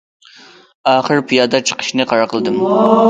ئاخىرى پىيادە چىقىشنى قارار قىلدىم.